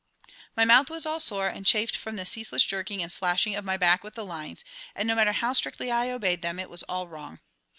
My mouth was all sore and chafed from the ceaseless jerking and slashing of my back with the lines; and, no matter how strictly I obeyed them, it was all wrong.